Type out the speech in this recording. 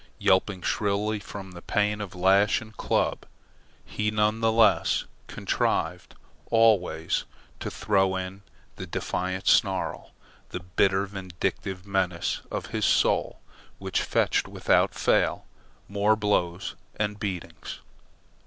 Yelping shrilly from the pain of lash and club, he none the less contrived always to throw in the defiant snarl, the bitter vindictive menace of his soul which fetched without fail more blows and beatings.